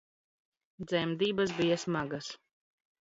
Dzemdības bija smagas